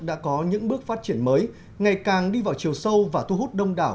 đã có những bước phát triển mới ngày càng đi vào chiều sâu và thu hút đông đảo